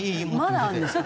まだあるんですか？